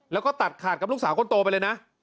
แล้วก็ตัดขาดกับลูกสาวคนโตไปเลยนะ